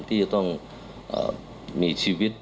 ที่จะต้องมีชีวิต